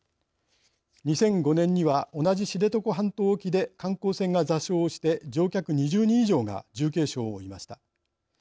２００５年には同じ知床半島沖で観光船が座礁して乗客２０人以上が重軽傷を負いました。